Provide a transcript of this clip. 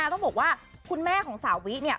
ต้องบอกว่าคุณแม่ของสาวิเนี่ย